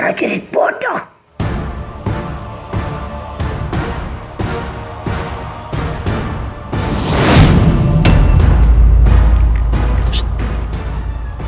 aku akan mencari penyelamat